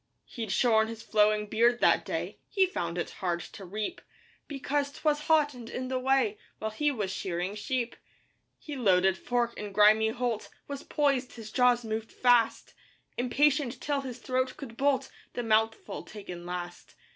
He'd shorn his flowing beard that day He found it hard to reap Because 'twas hot and in the way While he was shearing sheep. His loaded fork in grimy holt Was poised, his jaws moved fast, Impatient till his throat could bolt The mouthful taken last.